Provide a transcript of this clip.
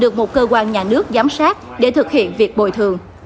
công an nhà nước giám sát để thực hiện việc bồi thường